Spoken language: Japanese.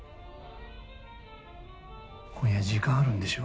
今夜時間あるんでしょ？